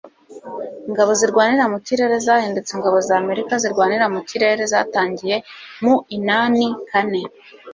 ingabo zirwanira mu kirere, zahindutse ingabo z'amerika zirwanira mu kirere, zatangiye mu inani kane